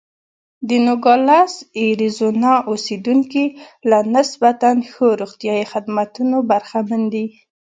د نوګالس اریزونا اوسېدونکي له نسبتا ښو روغتیايي خدمتونو برخمن دي.